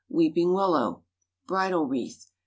Weeping willow. Bridal wreath.